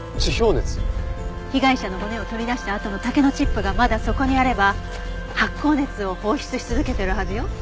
被害者の骨を取り出したあとの竹のチップがまだそこにあれば発酵熱を放出し続けてるはずよ。